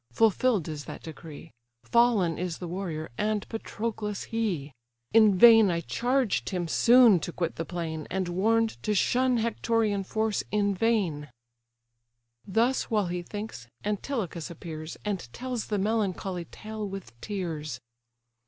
Fulfilled is that decree; Fallen is the warrior, and Patroclus he! In vain I charged him soon to quit the plain, And warn'd to shun Hectorean force in vain!" Thus while he thinks, Antilochus appears, And tells the melancholy tale with tears.